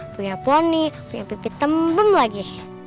punya poni punya pipi tembem lagi